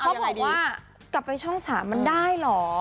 บอกว่ากลับไปช่อง๓มันได้เหรอ